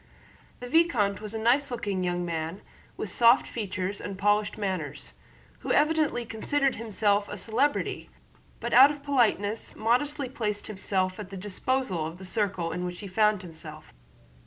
The vicomte was a nice looking young man with soft features and polished manners, who evidently considered himself a celebrity but out of politeness modestly placed himself at the disposal of the circle in which he found himself.